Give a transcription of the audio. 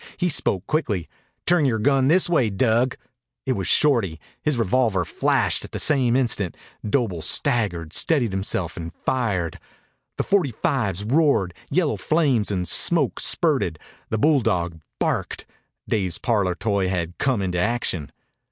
He spoke quickly. "Turn yore gun this way, Dug." It was Shorty. His revolver flashed at the same instant. Doble staggered, steadied himself, and fired. The forty fives roared. Yellow flames and smoke spurted. The bulldog barked. Dave's parlor toy had come into action.